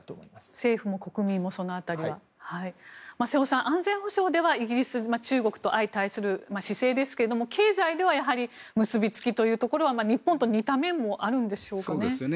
政府も国民もその辺りはと。瀬尾さん、安全保障ではイギリス、中国とは相対する存在ですが、経済的な結びつきというところは日本と似た面もあるんですよね。